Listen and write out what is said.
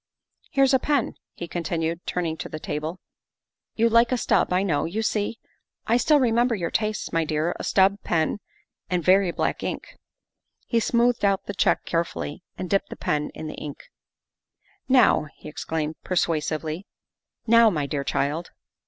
' Here's a pen," he continued, turning to the table; " you like a stub, I know. You see, I still remember your tastes, my dear a stub pen and very black ink. '' He smoothed out the check carefully and dipped the pen in the ink. " Now," he exclaimed persuasively, " now, my dear child."